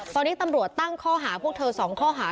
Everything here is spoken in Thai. ตอนนี้ตำรวจตั้งข้อหาพวกเธอ๒ข้อหา